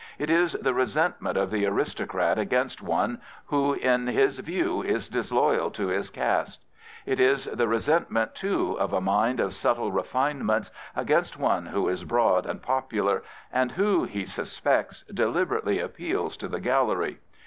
It is the resentment of the aristocrat against one who, in his view, is disloyal to his caste. It is the resentment, too, of a mind of subtle refinements against one who is broad and popular, and who, he suspects, deliber ately appeals to the gallery.